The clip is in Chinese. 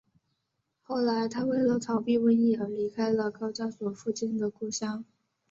后来他为了逃避瘟疫而离开了高加索附近的故乡。